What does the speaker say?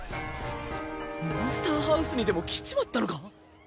モンスターハウスにでも来ちまったのか？